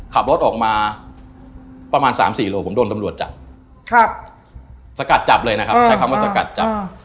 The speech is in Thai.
ขับรถออกมาประมาณ๓๔โลผมโดนตำรวจจับสกัดจับเลยนะครับใช้คำว่าสกัดจับ